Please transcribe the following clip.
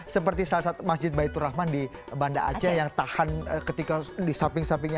seperti salah satu masjid baiturrahman di banda aceh yang tahan ketika disamping sampingnya